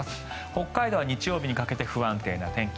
北海道は日曜日にかけて不安定な天気